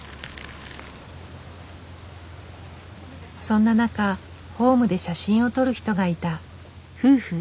そんな中ホームで写真を撮る人がいた。